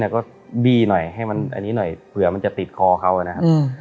ก็บี้หน่อยให้มันอันนี้หน่อยเผื่อมันจะติดคอเขานะครับ